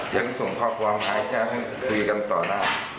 ยังส่งข้อความหาแชทให้คุยกันต่อได้